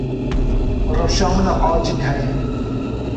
Rewşa min a acîl heye.